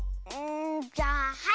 じゃあはい！